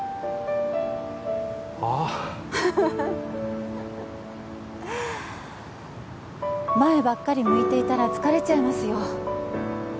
あっ前ばっかり向いていたら疲れちゃいますよ